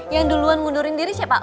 yang duluan ngundurin diri siapa